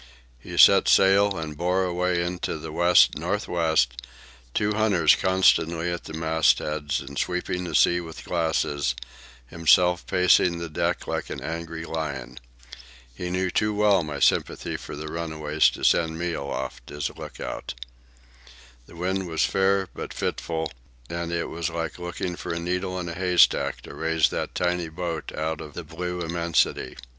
He set sail and bore away into the west north west, two hunters constantly at the mastheads and sweeping the sea with glasses, himself pacing the deck like an angry lion. He knew too well my sympathy for the runaways to send me aloft as look out. The wind was fair but fitful, and it was like looking for a needle in a haystack to raise that tiny boat out of the blue immensity.